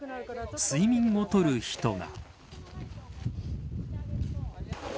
睡眠をとる人が。